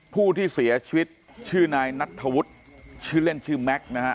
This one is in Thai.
ผู้ที่เสียชีวิตชื่อนายนัทธวุฒิชื่อเล่นชื่อแม็กซ์นะฮะ